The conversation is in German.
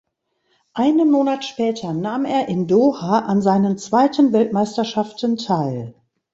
Einen Monat später nahm er in Doha an seinen zweiten Weltmeisterschaften teil.